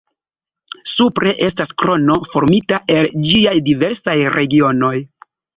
Supre estas krono formita el ĝiaj diversaj regionoj.